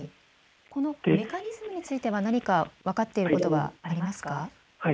メカニズムについては何か分かっていることはありますか。